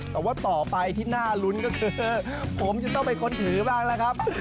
แต่ว่าต่อไปที่น่ารุ้นก็คือผมจะต้องเป็นคนถือบ้างแล้วครับ